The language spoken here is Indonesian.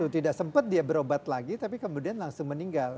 tidak sempat dia berobat lagi tapi kemudian langsung meninggal